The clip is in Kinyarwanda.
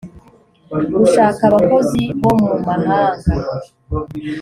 gushaka abakozi bo mu mahanga